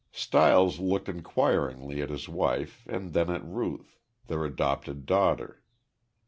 Stiles looked inquiringly at his wife and then at Ruth, their adopted daughter.